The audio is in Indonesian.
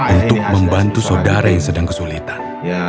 untuk membantu saudara yang sedang kesulitan